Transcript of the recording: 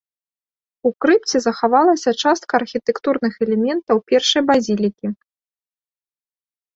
У крыпце захавалася частка архітэктурных элементаў першай базілікі.